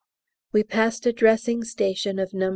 We passed a dressing station of No.